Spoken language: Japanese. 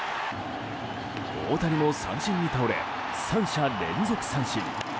大谷も三振に倒れ３者連続三振。